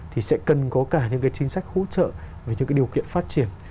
thì sẽ cần có cả những cái chính sách hỗ trợ về những cái điều kiện phát triển